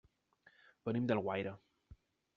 Venim d'Alguaire.